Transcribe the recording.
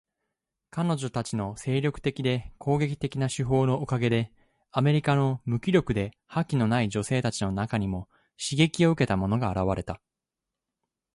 彼女たちの精力的で攻撃的な手法のおかげで、アメリカの無気力で覇気のない女性たちの中にも刺激を受けた者が現れた。